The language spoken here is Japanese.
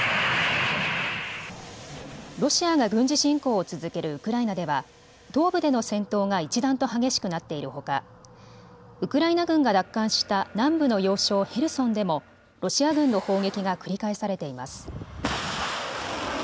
ロシアが軍事侵攻を続けるウクライナでは東部での戦闘が一段と激しくなっているほかウクライナ軍が奪還した南部の要衝ヘルソンでもロシア軍の砲撃が繰り返されています。